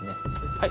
はい。